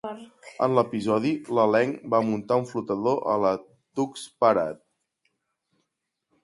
En l'episodi, l'elenc va muntar un flotador a la Tucks Parade.